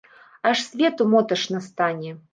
Аж свету моташна стане!